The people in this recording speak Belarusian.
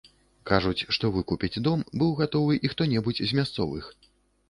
Кажуць, што выкупіць дом быў гатовы і хто-небудзь з мясцовых.